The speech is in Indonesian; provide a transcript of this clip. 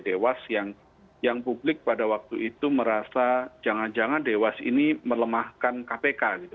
dewas yang publik pada waktu itu merasa jangan jangan dewas ini melemahkan kpk gitu